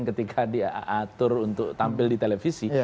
ketika diatur untuk tampil di televisi